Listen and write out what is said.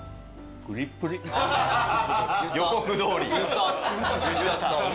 予告どおり。